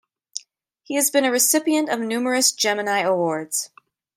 He has been a recipient of numerous Gemini Awards.